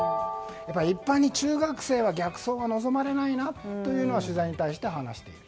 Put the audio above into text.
一般に中学生は逆送は望まれないなというのが取材に対して話している。